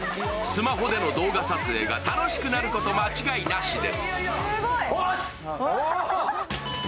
スマホでの動画撮影が楽しくなること間違いなしです。